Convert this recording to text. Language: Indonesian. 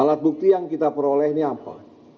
alat bukti yang kita peroleh ini apa